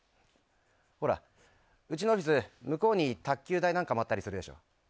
ほら、うちのオフィス向こうに卓球台なんかもあったりするでしょ。